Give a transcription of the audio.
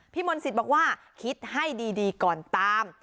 พี่มนต์สิตบอกว่าคิดให้ดีก่อนตาม